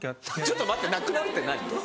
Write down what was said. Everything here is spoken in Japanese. ちょっと待ってなくなるって何？